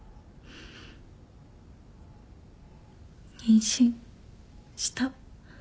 妊娠した。